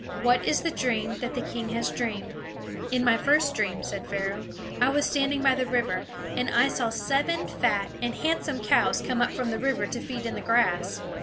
What is the dream that the king has dreamed?" "In my first dream," said Pharaoh, "I was standing by the river: and I saw seven fat and handsome cows come up from the river to feed in the grass.